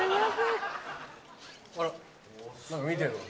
あら何か見てるわ。